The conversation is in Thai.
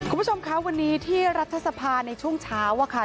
คุณผู้ชมคะวันนี้ที่รัฐสภาในช่วงเช้าอะค่ะ